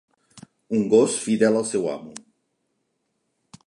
Un gos fidel al seu amo.